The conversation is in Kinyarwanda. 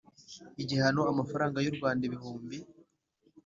Igihano amafaranga y u rwanda ibihumbi